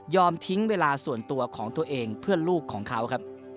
ทิ้งเวลาส่วนตัวของตัวเองเพื่อลูกของเขาครับ